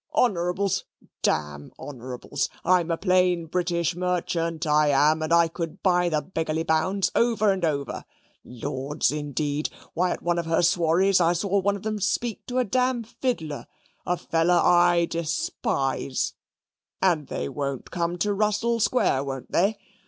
Honourables? Damn Honourables. I am a plain British merchant I am, and could buy the beggarly hounds over and over. Lords, indeed! why, at one of her swarreys I saw one of 'em speak to a dam fiddler a fellar I despise. And they won't come to Russell Square, won't they?